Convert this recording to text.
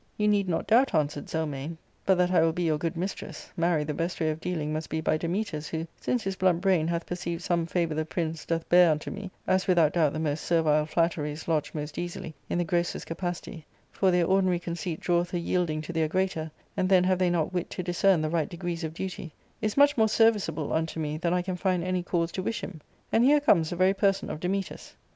"You need not doubt," answered Zelmane, "but that I will be your good mistress ; marry, the best way of dealing must be by Dametas, who — since his blunt brkin hath perceived some favour the prince doth bear unto me, as without doubt the most servile flattery is lodged most easily in the grossest capacity, for their ordinary conceit draweth a yielding to their greater,' and then have they not wit to discern the right degrees of duty — is much more serviceable unto me than I can find any cause to wish him. And here comes the very person of Dametas."